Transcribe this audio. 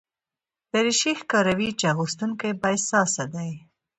دریشي ښکاروي چې اغوستونکی بااحساسه دی.